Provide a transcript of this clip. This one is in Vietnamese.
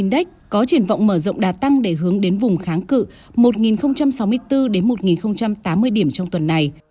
động đã tăng để hướng đến vùng kháng cự một sáu mươi bốn đến một tám mươi điểm trong tuần này